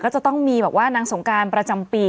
ก็จะต้องมีหนังสงการประจำปี